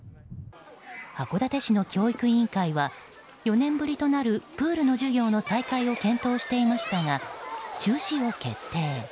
函館市の教育委員会は４年ぶりとなるプールの授業の再開を検討していましたが中止を決定。